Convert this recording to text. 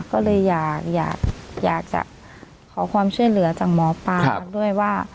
ก็เลยอยากจะขอความช่วยเหลือจากหมอปลาด้วยว่า